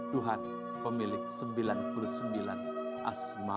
tuhan pemilik sembilan puluh sembilan asma'ul husna